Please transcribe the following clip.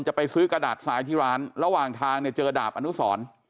จะไปซื้อกระดาษทรายที่ร้านระหว่างทางเนี่ยเจอดาบอนุสร